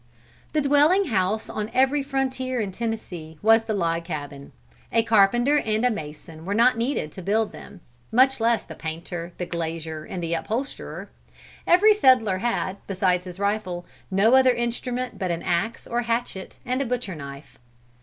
"The dwelling house on every frontier in Tennessee was the log cabin. A carpenter and a mason were not needed to build them much less the painter, the glazier and the upholsterer. Every settler had, besides his rifle, no other instrument but an axe or hatchet and a butcher knife.